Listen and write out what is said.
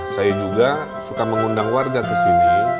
saya juga suka mengundang warga ke sini